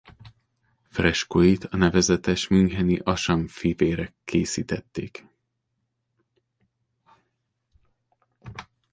Freskóit a nevezetes müncheni Asam fivérek készítették.